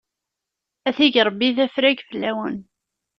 A t-ig Ṛebbi d afrag fell-awen!